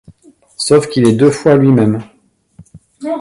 Sauf qu'il est deux fois lui même.